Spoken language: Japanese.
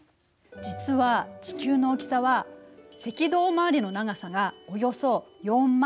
実は地球の大きさは赤道周りの長さがおよそ４０，０７７ｋｍ。